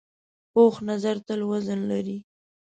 پوخ نظر تل وزن لري